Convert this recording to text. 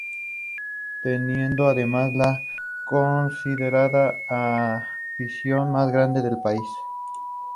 Defienden la independencia del pueblo del Úlster, de sus vecinos irlandeses y británicos.